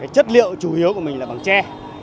chất liệu chủ yếu của mình là bằng tre